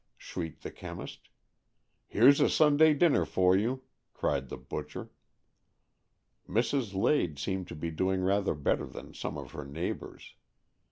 " shrieked the chemist. " Here's a Sunday dinner for you," cried the butcher. Mrs. Lade seemed to be doing rather better than some of her neighbours.